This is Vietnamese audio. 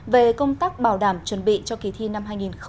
về công tác bảo đảm chuẩn bị cho kỳ thi năm hai nghìn một mươi chín